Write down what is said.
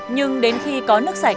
nhưng đến khi có nước sạch